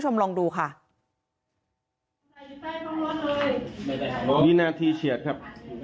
สาวนั่งป้อนข้าวอยู่ครับ